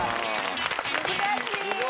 難しい！